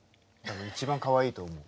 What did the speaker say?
一番かわいいと思う。